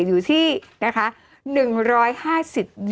โอเคโอเคโอเค